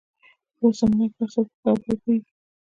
په اوس زمانه کې هر څوک په ښه او بده پوهېږي.